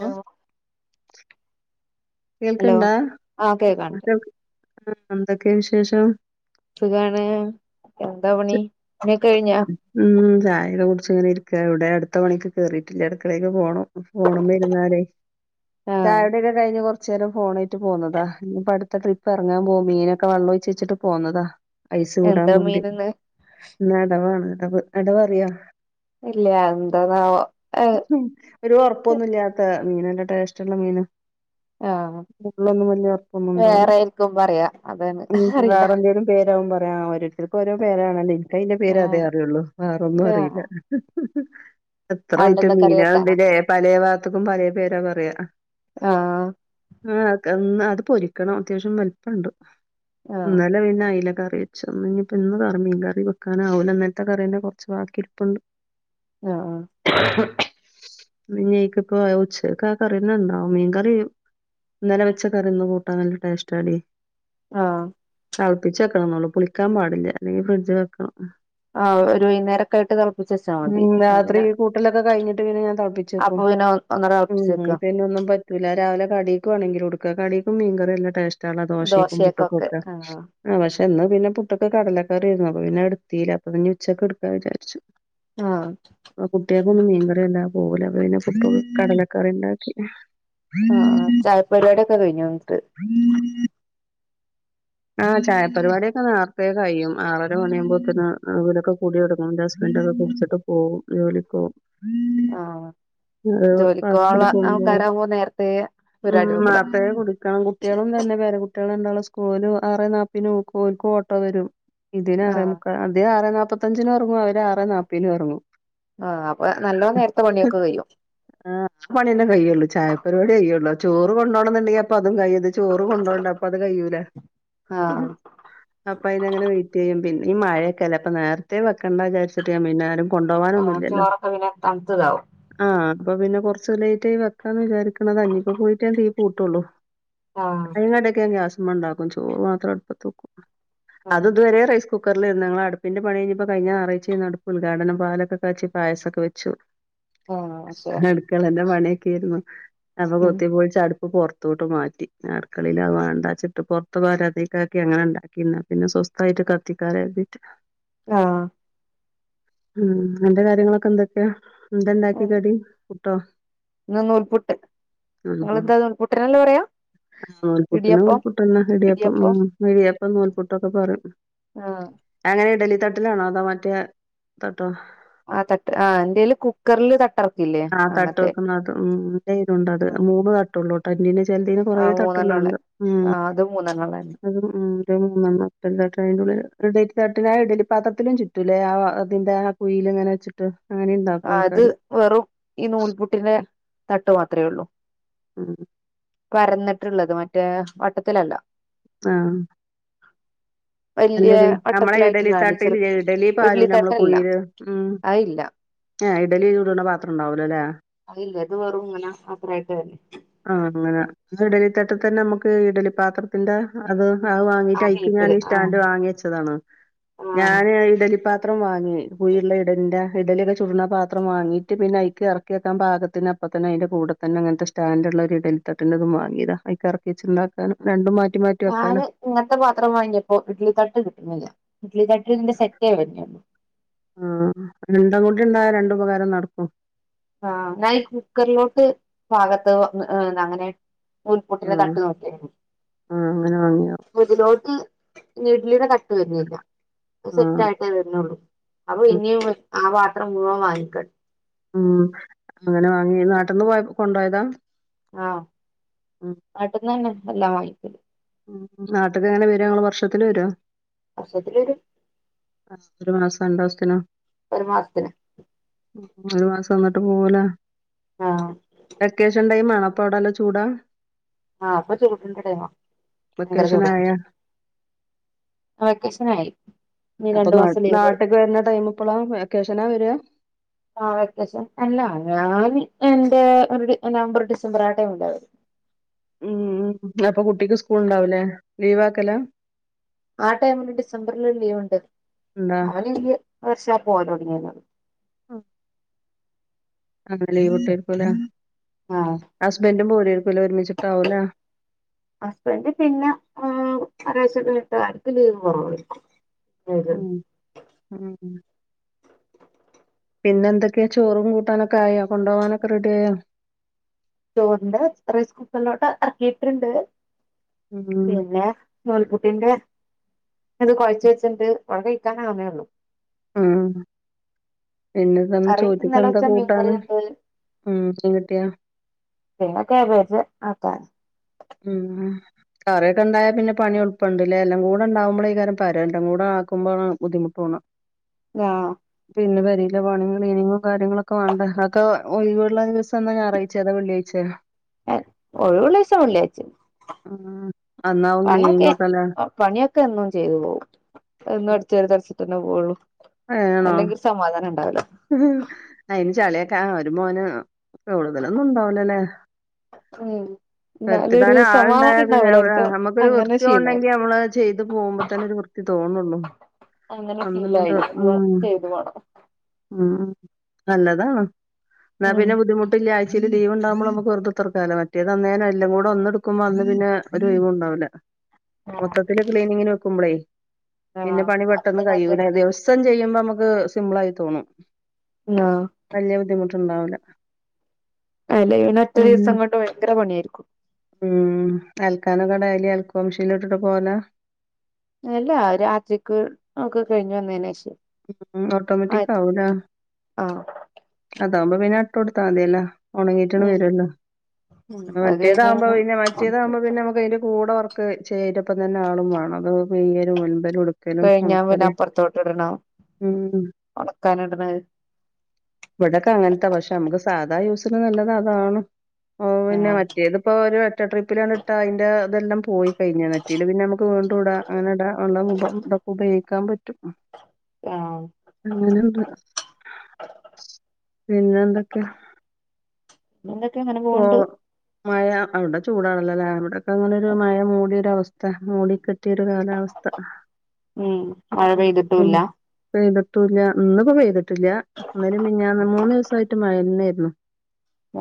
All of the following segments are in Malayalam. ഹലോ ഹലോ കേൾക്കണ്ടാ ആഹ് കേക്കാണ്ട് എന്തൊക്കെയാ വിശേഷം സുഖാണ് എന്താ പണി തുണിയൊക്കെ കഴിഞ്ഞാ. ഉം ചായേക്ക കുടിച്ച് ഇങ്ങനെ ഇരിക്കാ ഇവിടെ അടുത്ത പണിക്ക് കേറീട്ടില്ല അടുക്കളേക്ക് പോണം ഫോണ് മ്മെ രുന്നാലേ ആഹ് ചായൊടി യൊ ത് കഴിഞ്ഞ് കുറച്ചേരം ഫോണായിട്ട് പോന്നതാ ഇനിപ്പോ അടുത്ത ട്രിപ്പെറങ്ങാൻ പോവും മീനൊക്കെ വെളെളാഴിച്ച് വെച്ചിട്ട് പോന്നതാ ഐസ് കൂടാൻ എന്താ മുണ്ടി മീനിന്ന് ഇന്ന് അടവാണ് അത്അടവറിയോ ഇല്ല എന്താന്നാവോ ഏ ഒരു ഒറപ്പൊന്നുല്ലാത്ത മീനല്ല ടേസ്റ്റുള്ള മീന് ആഹ് [unintelligible] ഒന്നും വലിയ ഉറപ്പൊന്നും ഉണ്ടാവില്ല വേറെയായിരിക്കും പറയാ അതാണ് അറിയില്ല വേറെന്തേലും പേരാവും പറയാ ഓരോത്തർക്ക് ഓരോ പേരാണല്ലോ ഇക്ക അയിന്റെ പേര് അതേ ആഹ് അറിയുള്ളൂ വേറൊന്നും അറിയില്ല. ആഹ് മ് മ് മ് എത്ര ഐറ്റം അതോണ്ടെന്താ കറി മീനാ വെക്കാനാ ഉണ്ടില്ലേ പലേ ഭാഗത്തക്കും പലേ പേരാ പറയാ ആഹ് ആ അത് പൊരിക്കണം അത്യാവശ്യം വലിപ്പണ്ട് ആഹ് ഇന്നലെ പിന്നെ അയലക്കറി വെച്ച്ർന്ന് ഇനീപ്പം ഇന്ന് കറി മീൻ കറി കാരണം അവൻ ഇന്നത്തെ കറിന്റെ കുറച്ച് ബാക്കി ഇരിപ്പുണ്ട് ആഹ് മിന്നേ ഈക്കക്കോ ഉച്ചക്കാ ആ കറീന്ന ഇണ്ടാവും മീൻ കറി ഇന്നല വെച്ച കറി ഇന്നു കൂട്ടാൻ നല്ല ടേസ്റ്റാലെ ആഹ് തിളപ്പിച്ച് വെക്കണം എന്നുള്ളൂ പുളിക്കാൻ പാടില്ല അല്ലെങ്കിൽ ഫ്രിഡ്ജി വെക്കണം ആഹ് ഒരു വൈന്നേരൊക്കായിട്ട് തെളപ്പിച്ച് വെച്ചാ മതി ഉം ആഹ് രാത്രി പിന്നെ കൂട്ടലൊക്കെ കഴിഞ്ഞിട്ട് പിന്നെ ഞാൻ തെളപ്പിച്ചു അപ്പൊ വെക്കും പിന്നെ ഒന്ന് ഉം തെളപ്പിച്ചെക്കാ പിന്നെ ഒന്നും പറ്റൂല രാവിലെ കടീക്ക് വേണെങ്കിലും എടുക്കാം കടീക്കും മീൻകറീം നല്ലാം ടേസ്റ്റ് ദോശെക്കും ദോശക്കൊക്കെ പൂട്ട്കൊക്കെ ആഹ് ആ പക്ഷെ ഇന്ന് പിന്നെ പുട്ടൊക്കെ കടലക്കറിയാരുന്നു അപ്പൊ പിന്നെ എടുത്തീലാ അപ്പൊ പിന്നെ ഉച്ചക്ക് എടുക്കാൻ വിചാരിച്ചു ആഹ് അപ്പൊ കുട്ടിയെക്കൊന്നും മീൻകറിവല്ലാ പോവൂല അപ്പ പിന്നെ പുട്ടും കടലക്കറിയിണ്ടാക്കി ആഹ് ആഹ് ചായ പരിപാടിയൊക്കെ കഴിഞ്ഞോ വന്നിട്ട് ആഹ് ചായപരിപാടിയൊക്കെ നേരത്തെ കഴിയും. ആറരമണിയാവുമ്പോ പിന്ന ഇവിടക്ക കുടി തൊടങ്ങും എന്റെ ഹസ്ബന്റൊക്കെ കുടി [unintelligible] ട്ട് പോവും ജോലിക്ക് പോവും ആഹ് ജോലിക്കോള്ള പാക്കില് കൊണ്ടോവും ആൾക്കാരാകുമ്പോ നേരത്തെ പരിപാടി ഉം വെക്കണം അതെ കുടിക്കാൻ കുട്ടികളും തന്നെ വേറ കുട്ടികള് രണ്ടാളും സ്കൂളില് ആറ്നാപ്പയിന് ഓക്കും ഓൻക്കും ഓട്ടോ വരും ഇതിന് ആഹ് ആറേമുക്കാ അതേ ആറേ നാപ്പത്തഞ്ചിന് ഇറങ്ങും അവര് ആറെനാപ്പയിന് എറങ്ങും ആഹ് അപ്പൊ നല്ലോ നേരത്തെ പണിയൊക്കെ കഴിയും ആഹ് പണിയെല്ലാം കഴിയൊള്ളു ചായ പരിപാടി കഴിയൊള്ളൂ ചോറു കൊണ്ടോണംന്നുണ്ടെങ്കി അപ്പ അതും കയ്യും ചോറ് കൊണ്ടോണ്ട അപ്പത് കഴിയൂലെ ആഹ് അപ്പൊ അയിതങ്ങനെ വെയിറ്റെയ്യും പിന്നെ ഈ മഴയൊക്കെ അല്ലേ അപ്പ നേരത്തെ വക്കണ്ടാ വിചാരിച്ചിട്ട് ഞാൻ പിന്നാലും ആഹ് ചോറൊക്ക പിന്നെ തണ്ത്തതാവും ആഹ് അപ്പൊ പിന്നെ കുറച്ച് ലേറ്റായി വെക്കാന്ന് വിചാരിക്ക്ണതാ ഇഞ്ഞ്പ്പോ പോയിട്ട് ഞാൻ തീ പൂട്ടുള്ളൂ ആഹ് യിം കടിഒക്കെ ഗ്യാസ്മണ്ടാക്കും ചോറ് മാത്രം അടുപ്പത്തെക്കും അത് ആഹ് ഇതുവരെ റൈ കുക്കറിലേര്ന്നു ഞങ്ങളട്പ്പിന്റെ പണി അയ്ഞ്ഞപ്പോ കൈഞ്ഞ ഞാറായ്ചേന്നു അട്പ്പുൽഘാടനം പാലൊക്കെ കാച്ചി പായസൊക്കെ വെച്ചു ആഹ് ശരി ന്റ അട്ക്കളന്റെ പണി ഒക്കേര്ന്ന് അപ്പൊ ഉം കൊത്തി പൊള്ച്ച് അട്പ്പ് പൊർ ത്തോട്ട് മാറ്റി അട്ക്കളേൽ അഹ് വാണ്ടാച്ച്ട്ട് പൊ ത്ത വരാന്തെക്കാക്കി അങ്ങനെ ഇണ്ടാക്കി ഇന്നാ പിന്നെ സ്വസ്ഥായിട്ട് കത്തിക്കാ കര്തീട്ട്. ആഹ് ഉം അന്റെ കാര്യങ്ങളൊക്കെന്തൊക്കെ എന്താണ്ടാക്കി കടി പുട്ടോ? ഇന്ന് നൂൽപുട്ട് ആഹ് ഹാ നിങ്ങളെന്താ നൂൽപുട്ടിനല്ലേ പറയാ നൂൽപുട്ട്ന് ഇടിയപ്പം നൂൽപുട്ടെന്നെ ഇടിയപ്പമ് ഇടിയപ്പം ഇടിയപ്പം ഉം നൂൽപുട്ടൊക്കെ പറിം ആഹ് എങ്ങനെ ഇഡലി തട്ട്ലാണോ അതോ മറ്റേ തട്ടോ? ആ തട്ട് ആഹ് എന്റെേൽ കുക്കർൽ തട്ടർ ആ തട്ട് വെക്ക്‌ന്നതും മ് ഇന്റൈലുംണ്ടത് ഉം മൂന്ന് ത തുള്ളോട്ടര്നിനെ ചെൽതിന് കൊറേ ആഹ് മൂന്നെണ്ണം ഉള്ളെ തട്ടുള്ളഹ്ണ്ട് ഉം ആഹ് അത് മൂന്നെണ്ണം ഉള്ളെന്നെ [unintelligible] ഉം. ന്റെ മൂന്നണ്ണത്തിന്റ ട്ടയ്ന്റുള്ള്ല് ഇഡലി തട്ട്ൽ ആ ഇഡലി പാത്രത്തിലും ചുറ്റുല്ലേ ആഹ് അതിന്റെ ആ കുയീൽ ഇങ്ങനെച്ച്ട്ട് അങ്ങനെ ഇണ്ടാക്കും ആഹ് അത് ആൾക്കാര് വെറും ഈ നൂൽപുട്ടിന്റെ തട്ട് മാത്രേ ഒള്ളു ഉം. പരന്ന്ട്ട്ള്ളത് മറ്റേ വട്ടത്തിലല്ല ആഹ് [inaudible] അല്ലടി നമ്മളെ വട്ടത്തിലായിട്ട് ഇഡലി നാല് തട്ടിൽ ചെറു ല്ലെ ഇഡലി ഇഡ്ലി പാരുലെ മ്മൾ തട്ടല്ല കുയീൽ ഉം അതില്ല ഏഹ് ഇഡലി ചുട്ണ പത്രംണ്ടാവൂലലേ അ ഇല്ല അത് വെറും ഇങ്ങനെ മാത്രായ്ട്ട് വരുന്നെ. ആ അങ്ങനെ ഇഡലി തട്ട് തന്നെ നമ്മക്ക് ഇഡലി പാത്ര. ന്റെ അത് അഅ് ആ വാങ്ങീട്ട് ഐക്ക് ഷേപ്പില് ഞാൻ ആഹ് സ്റ്റാൻഡ് വാങ്ങി വെച്ചതാണ് ആഹ് ഞാന് ഇഡലിപ്പാ. ത്രം വാങ്ങി കുഴുള്ള ഇഡലിന്റെ ഇഡലിയൊക്കെ ചുട്ണ പാത്രം വാങ്ങീട്ട് പിന്നെ ഐക്കെറ് ക്ക്യക്കാൻ പാകത്തിന് അപ്പ തന്നെ അയ്ന്റെ കൂടെ തന്നെ ഇങ്ങൻത്തെ സ് സ്റ്റാന്റ്ള്ള ഒരു ഇഡലിത്തട്ട്ന്റെതും മാങ്ങീത ഐക് എറ്ക്കിയെച്ച്ണ്ടാക്കാൻ രണ്ടും മാറ്റി മാ ഞാന് ഇങ്ങൻത്തെ പാത്രം വാങ്ങിയപ്പോ ഇഡലി തട്ട് കിട്ട്ണില്ല ഇഡ്ലി തട്ട്ന്റെ സെറ്റെ വര്നുള്ളു. ആഹ് രണ്ടുംകൂടിണ്ടായ രണ്ടു ഉപകാരം നട്ക്കും. ആഹ് ഇന്നാഈ കുക്കറിലോട്ട് പാഗത്ത് ഹ് ന്നങ്ങനെ നൂൽപുട്ട്ന്റെ ആഹ് തട്ട് നോക്കിയര് ആഹ് അങ്ങനെ വാങ്ങിയ മു [unintelligible] ഇഡ്ലിടെ തട്ട് വര്ന്നില്ല ആഹ് അഅ്സെറ്റാ ട്ടെ വര്ന്നാള്ളൂ അപ്പൊ ഉം ഇനിയും ആ പാത്രം മുഴുവൻ വാങ്ങിക്ക ഉം അങ്ങനെ വാങ്ങി നാട്ട്ന്ന് പോയപ്പൊ കൊണ്ടോയതാ? ആഹ് ഉം നാട്ട്ന്നെന്നെ എല്ലാവാ. ഉം നാട്ട്ക്കെങ്ങനെ വരാ ഇങ്ങള് വർഷത്തില് വരോ? വർഷത്തിലൊര് ആ ഒരു മാസാ രണ്ടാസ്ത്തിനാ ഒര് മാസ്ത്തിന്. ഒരു മാസംന്ന്ട്ട് പൂവലാ ആഹ് വെക്കേഷൻ ടൈം ആണോ പ്പ ഓടല്ല ചൂടാ? ആഹ് ഇപ്പ ചൂടിന്റെ ടൈമാ ഭയങ്കര വെക്കേഷൻ ചൂടാ ആയാ വെക്കേഷനായി ഇനി അപ്പൊ രണ്ടു നാ മാസം ലീവ് നാട്ട്ക്ക് വര്ന ടൈം ഇപ്പളാ വെക്കേഷനാ വരാ ആ വെക്കേഷൻ അല്ല ഞാൻ എന്റെ ഒര് ഡ് നവംബർ ഡിസംബർ ആ ടൈമിലാ വരാ മ് മ് അപ്പൊ കുട്ടിക്ക് സ്കൂൾ ഇണ്ടാവൂലേ ലീവാക്കലാ ആ ടൈമില് ഡിസംബർല് ഒര് ലീവ്ണ്ട് ഇണ്ടാ ആലീവ്‌ വർഷാപോവലൊട്ങ്ങിന്നത് ആഹ് അങ്ങല്ലെ ഈ ഒട്ട പോല ആഹ് ഹസ്ബൻഡും പോരക്കല ഒരുമിച്ചിട്ടാവുല ഹസ്ബൻഡ് പിന്നെ ഉം ഒരു വശത്തിട്ടുകാർക്ക് ലീവ് പോവളും ഉം ഉം പിന്നെ എന്തൊക്കെയാ ചോറും കൂട്ടാനൊക്കെ ആയോ കൊണ്ടുപോകാനൊക്കെ റെഡിയായോ ചോറിന്റെ റൈസ് കുക്കറിലോട്ട് ഇറക്കിട്ടുണ്ട് ഉം പിന്നെ നൂൽപ്പുട്ടിന്റെ ഇത് കുഴച്ച് വെച്ചിട്ടുണ്ട് മോൾ കഴിക്കാൻ അവന്നെ ഉള്ളു. ഉം പിന്നെ തന്ന് കറി ചോറ്റിക്ക് ഇന്നലെ എന്താ വെച്ച മീൻ കൂട്ടാന്? കറിയുണ്ട് ഉം മീകിട്ടിയാ പിന്നെ ക്യാബേജ് ആകാൻ ഉം ഉം കറിയൊക്കെണ്ടായ പിന്നെ പണി എളുപ്പണ്ട്ല്ലേ എല്ലാം കൂടെണ്ടാവുമ്പളെ അയ്കാരം പരം എല്ലാം കൂടെ ആകുമ്പോ ബുദ്ധിമുട്ട് തോന്നാ. [unintelligible] ആഹ് പിന്നെ പെരയിലെ പണിയും ക്ലീനിങ്ങും കാര്യങ്ങളൊക്കെ വേണ്ടേ അതൊക്കെ ഒഴിവുള്ള ദിവസം ഇന്ന് ഞാറ ഏതാ വെള്ളിയാഴ്ച്ച ഒഴിവുള്ള ദിവസം വള്ളിയാച്ച ഉം അന്നാവും ക്ലീനിങ്ങോക്കല്ലേ പണിയൊക്കെ എന്നും ചെയ്തു പോകും എന്നും അടിച്ചുവാരി തൊടച്ചിട്ടല്ലേ പോവുള്ളൂ ആണോ അല്ലെങ്കി സമാധാനം ഉണ്ടാവില്ല. അയിന് ചളിയൊക്കെ ആ ഒരു മോന് കൂടുതലൊന്നും ഉണ്ടാവൂലല്ലേയ് ഉം എന്നാലും ഒരു എത്തിടാൻ ആളുണ്ടായ സമാധാനം പിന്നെ ഉണ്ടാവൂല എനിക്ക് നമുക്കൊരു അങ്ങനെ വൃത്തി ശീലായി ഉണ്ടെങ്കി നമ്മളത് ചെയ്ത് പോവുമ്പോ തന്നെ ഒരു വൃത്തി ത്തി തോന്നുള്ളു അങ്ങനെ ഫീലായി ഒന്ന് ചെയ്തു പോണം ഉം നല്ലതാണ് എന്നാ ഉം പിന്നെ ബുദ്ധിമു [unintelligible] ആഴ്ചയിൽ ലീവ് ഉണ്ടാകുമ്പോ നമ്മള് ഓരോരുത്തർക്കും മറ്റേത് അന്നേരം എല്ലേ കൂടെ ഒന്നെടുക്കുമ്പോ അന്ന് പിന്നെ ഒരു ലീവും ഉണ്ടാവുല്ല. മൊത്തത്തില് ക്ലീനിങ്ങിന് വെക്കുമ്പോളേ പിന്നെ ആഹ് പണി അപ്പൊ പെട്ടെന്ന് പിന്നെ അധികം കഴിയൂല്ലേ അത പണിയില്ല വസം ചെയ്യുമ്പോ നമുക്ക് സിമ്പിളായി തോന്നും ആഹ് വല്ല്യ ബുദ്ധിമുട്ടുണ്ടാവൂല്ല അല്ല ഇവന് ഒറ്റ ദിവസം കൊണ്ട് ഭയങ്കര പണിയാര്ക്കും ഉം അലക്കാനൊക്കെ ഡെയിലി അലക്ക് മെഷീനിൽ ഇട്ടിട്ട് പോല അല്ല ഒരാഴ്ചക്ക് ഒക്കെ കഴിഞ്ഞു വന്നെൻ ശേഷ ഉം ഓട്ടോമാറ്റിക് ആവൂല ആഹ് അതാവുമ്പോ പിന്നെ ഇട്ട് കൊടുത്ത മതില്ല ഉണങ്ങിട്ടണ് വരുല്ലോ ഉം അത് കഴിഞ്ഞ് മറ്റേതാവുമ്പോ പിന്നെ മറ്റേതാവുമ്പോ പിന്നെ നമുക്ക് അതി കൂടെവർക്ക് ചെയ്തപ്പം തന്നെ ആളും വേണം അത് വെയ്യും മുൻപലുംടു കഴിഞ്ഞാ പിന്നെ അപ്പറത്തോട്ട് ഇടണം ഉം ഉണക്കാനിടണത് ഇവിടൊക്കെ അങ്ങനത്തൊ പക്ഷെ നമുക്ക് സാധാ യൂസിന് നല്ലത് അതാണ് ഓ പിന്നെ ആഹ് മറ്റേതിപ്പോ ഒരു ഒറ്റ ട്രിപ്പിലങ്ങിട്ട അയിന്റെ ഇതെല്ലാം പോയി കഴിഞ്ഞ മറ്റേല് പിന്നെ നമുക്ക് വീണ്ടൂടാ അങ്ങനിട കൂട കൂട ഉപയോഗിക്കാൻ പറ്റും. ആഹ് അങ്ങനൊണ്ട് പിന്നെ എന്തൊക്കെ എന്തൊക്കെ ഇങ്ങനെ പോകണ്ട് മഴ അവിടെ ചൂടാണല്ലോല്ലേ ഇവിടൊക്കെ ഇങ്ങനെ ഒരു മഴ മൂടിയൊരു അവസ്ഥ മൂടികെട്ടിയൊരു കാലാവസ്ഥ ഉം മഴ ഉം പെയ്തിട്ടുല്ല പെയ്തട്ടൂല്ല ഇന്ന് ഇപ്പൊ പെയ്തട്ടില്ല ഇന്നലേം മേഞ്ഞാന്നും മൂന്ന് ദിവസായിട്ട് മഴന്നായിരുന്നു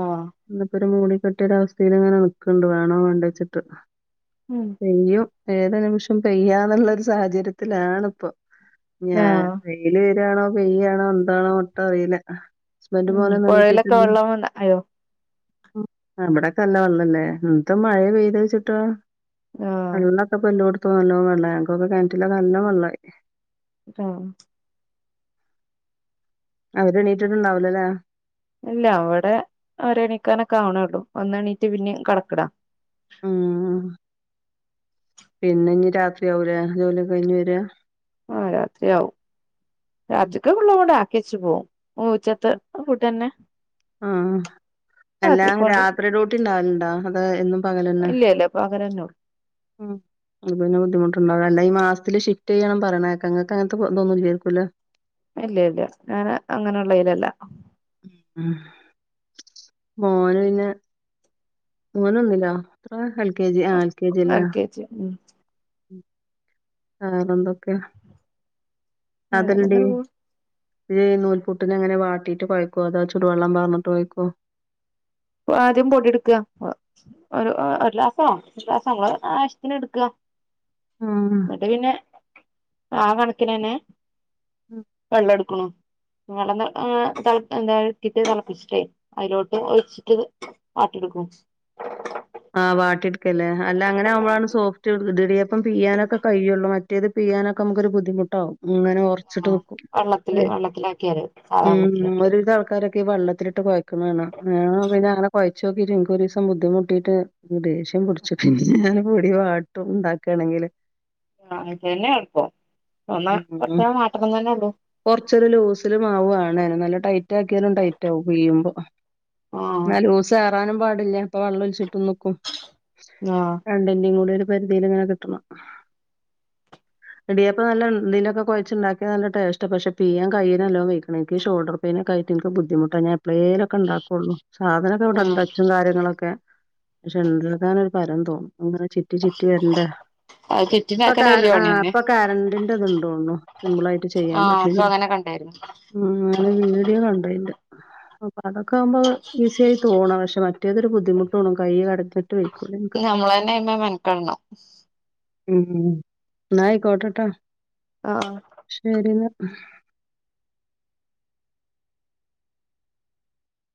ആഹ് ഇന്നിപ്പോ ഒരു മൂടി കെട്ടിയ ഒരു അവസ്ഥയിൽ ഇങ്ങനെ നിക്കണ്ട് വേണോ വേണ്ട വെച്ചിട്ട് ഉം പെയ്യും ഏത് നിമിഷം പെയ്യാന്നുള്ള ഒരു സാഹചര്യത്തിലാണിപ്പൊ ഞാൻ ആഹ് വെയില് വരാണോ പെയ്യയാണോ എന്താണോ ഒട്ടും അറിയില്ല ഹസ്ബന്റും മോനും ഒന്നും എണീറ്റിട്ടില്ലേ [unintelligible] ആയോ ഉം അവിടെക്കെല്ല നല്ല വെള്ളല്ലേ എന്താ മഴ പെയ്ത് വെച്ചിട്ട് ആഹ് [unintelligible] ഞങ്ങക്കൊക്കെ കിണറ്റില് നല്ല വെള്ളായി [unintelligible] അവര് എണ്ണീറ്റിട്ട്ണ്ടാവില്ലല്ലേ ഇല്ല അവിടെ അവര് എണീക്കാനൊക്കെ ആവണേ ള്ളൂ ഒന്ന് എണീറ്റ് പിന്നേം കെടക്കടാം മ്ഹ് പിന്നെ ഇനി രാത്രിയാവുല്ലേ ജോലിയൊക്കെ കഴിഞ്ഞ് വരിക ആഹ് രാത്രിയാവും രാത്രിക്ക്‌ ഫുള്ളും ഇവിടെ ആക്കിയേച്ചു പോകും ഓ ഉച്ചത്തെ ഫുഡ് തന്നെ ആഹ് അല്ല രാത്രി ഡ്യൂട്ടി ഉണ്ടാവലുണ്ടോ അത് എന്നും പകലന്നെ [unintelligible] പകരന്നോ ഉം അത് പിന്നെ ബുദ്ധിമുണ്ടാവ അല്ല ഈ മാസത്തില് ഷിഫ്റ്റ് ചെയ്യണം പറേണ കേക്കാം നിങ്ങക്ക് അങ്ങനത്തെ ഇതൊന്നും ഇല്ലാരിക്കുല്ലേ ഇല്ല ഇല്ല ഞാന് അങ്ങനെയുള്ളതിലല്ല ഉം മോന് പിന്നെ മോൻ ഒന്നിലാ എത്ര എൽ കെ ജി ആഹ് എൽ കെ ജീലാ എൽ കെ ഉം വേറെ എന്തൊക്കയ വേറെങ്ങനെ അതെന്തിയെ പോണ് ഇത് നൂൽപുട്ടിന് എങ്ങനെ വാട്ടീട്ട് കൊഴക്കോ അതോ ചൂട് വെള്ളം പകർന്നിട്ട് ഒഴിക്കോ ആദ്യം പൊടിയെടുക്കുക ഒരു ഒരുഗ്ലാസാ [unintelligible] ഗ്ലാസി അങ്ങനെ ആവശ്യത്തിന് എടുക്കുക ആഹ് അത് പിന്നെ ആ കണക്കിനന്നെ വെള്ളം എടുക്കണു [unintelligible] എന്താക്കിട്ട് തിളപ്പിച്ചിട്ടേ അതിലോട്ട് ഒഴിച്ച് ട്ട് അത് വാട്ടിയെടുക്കും ആഹ് വാട്ടിയെടുക്കല്ലേ അല്ല അങ്ങനെ ആകുമ്പളാണ് സോഫ്റ്റ് ഇടിയപ്പം പിയാനൊക്കെ കയ്യുള്ളൂ മറ്റേത് പിയ്യാനൊക്കെ നമുക്ക് ഒരു ബുദ്ധിമുട്ടാവും അങ്ങനെ ഒറച്ചിട്ട് വെക്കും ആ വെള്ളത്തില് അതെ വെള്ളത്തിലാക്കിയാല് സാധാ ഉം വെള്ളത്തിലാക്കിയ ഒരുവിധം ആൾക്കാരൊക്കെ വെള്ളത്തിലിട്ട് കൊയക്കുന്ന കാണാം പിന്നെ അങ്ങന കൊയച്ച് നോക്കിട്ട് എനിക്ക് ഒരീസം ബുദ്ധിമുട്ട് കിട്ടീട്ട് ദേഷ്യം പിടിച്ചു പിന്നെ ഞാൻ പൊടി വാട്ടും ഉണ്ടാക്കണെങ്കില് ആ അതന്നെ എളുപ്പം [unintelligible] മാറ്റണം എന്നല്ലേ ഉള്ളൂ കുറച്ചൊരു ലൂസിലും മാവ് വേണേനെ നല്ല ടൈറ്റ് ആക്കിയാലും ടൈറ്റ ആകും പീയുമ്പോ ആ എന്നാ ലൂസാവാനും പാടില്ല അപ്പൊ വെള്ളം ഒലിച്ചിട്ട് നിക്കും രണ്ടിന്റേയും കൂടി ഒരു പരിധിയില് ഇങ്ങനെ കിട്ടണം ഇടിയപ്പം നല്ല ഇന്തതിലൊക്കെ കൊഴച്ചുണ്ടാക്കിയ നല്ല ടേസ്റ്റ് പക്ഷെ പീയാൻ കൈയിന് നല്ലോം ഉപയോഗിക്കണം എനിക്ക്‌ ഷോൾഡറു പിന്നെ കയ്ക്ക് എനിക്ക് ബുദ്ധിമുട്ടാണ് ഞാൻ എപ്പളെലൊക്കെ ഒണ്ടാക്കുള്ളു സാധനൊക്കെ ഉം ഇവിടുണ്ട് അച്ചും കാര്യങ്ങളൊക്കെ പക്ഷെ ഒണ്ടാക്കാനൊരു പരം തോന്നും അങ്ങനെ ചുറ്റി ചുറ്റി വരണ്ടേ ആഹ് കിറ്റി ഇപ്പ ആ ഇപ്പൊ കരണ്ടിന്റെ ഇതുണ്ടോള്ളു സിമ്പിൾ ആയിട്ട് ചെയ്യാൻ പറ്റിയത് ഒണ്ടായിരുന്നു ഉമ് ഞാന് വീഡിയോ കണ്ടയിന്റ അപ്പ അതൊക്കെ ആവുമ്പോ ഈസി ആയി തോണ പക്ഷെ മറ്റ മറ്റേതൊരു ബുദ്ധിമുട്ടണ കൈ കടഞ്ഞിട്ട് വെക്കൂല്ല നക്ക് നമ്മള് തന്നെ അയിമ്മെ മെനക്കെടണം ഉം ന്നാ ആയ്ക്കോട്ടെ ട്ടാ ആഹ് ശരിന്നാ